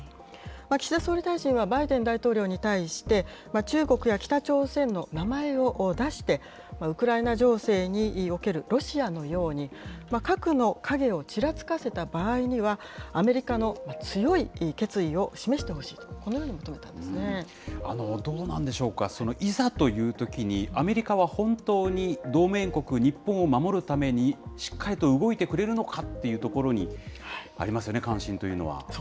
岸田総理大臣は、バイデン大統領に対して、中国や北朝鮮の名前を出して、ウクライナ情勢におけるロシアのように、核の影をちらつかせた場合には、アメリカの強い決意を示してほしいと、どうなんでしょうか、いざというときに、アメリカは本当に同盟国、日本を守るために、しっかりと動いてくれるのかっていうところに、そこですよね。